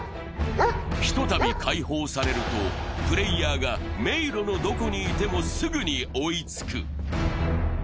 ひとたび解放されると、プレーヤーが迷路のどこにいてもすぐに追いつく。